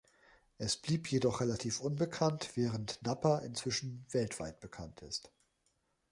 Es blieb jedoch relativ unbekannt, während Napa inzwischen weltweit bekannt ist.